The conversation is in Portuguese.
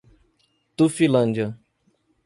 Tufilândia